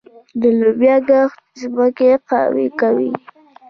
د لوبیا کښت ځمکه قوي کوي.